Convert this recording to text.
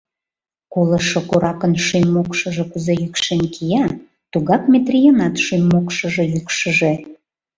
Колышо коракын шӱм-мокшыжо кузе йӱкшен кия, тугак Метрийынат шӱм-мокшыжо йӱкшыжӧ!